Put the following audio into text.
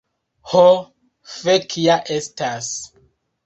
Ho, fek' ja estas